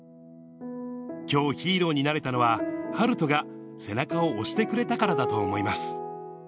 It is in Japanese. きょうヒーローになれたのは、晴斗が背中を押してくれたからだと思います。